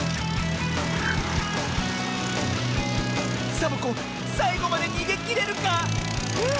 サボ子さいごまでにげきれるか⁉あ！